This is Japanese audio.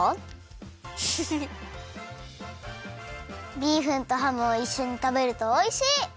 ビーフンとハムをいっしょにたべるとおいしい！